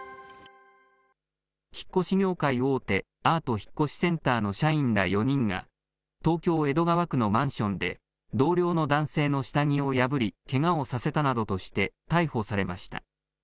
引っ越し業界大手、アート引越センターの社員ら４人が、東京・江戸川区のマンションで、同僚の男性の下着を破り、けがをさせたなどとして逮捕されました。